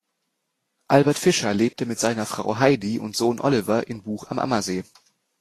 Albert Fischer lebte mit seiner Frau Heidi und Sohn Oliver in Buch am Ammersee.